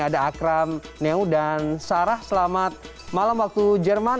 ada akram neo dan sarah selamat malam waktu jerman